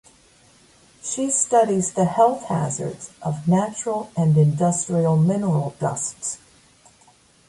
She studies the health hazards of natural and industrial mineral dusts.